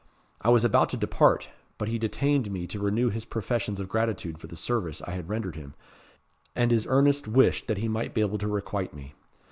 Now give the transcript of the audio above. I was about to depart, but he detained me to renew his professions of gratitude for the service I had rendered him, and his earnest wish that he might be able to requite me.